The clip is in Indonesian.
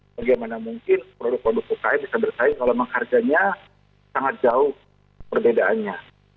bagaimana mungkin produk produk ukm bisa bersaing kalau memang harganya sangat jauh perbedaannya